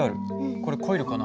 これコイルかな？